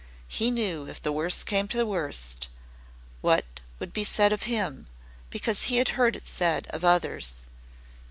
He knew if the worst came to the worst what would be said of him, because he had heard it said of others.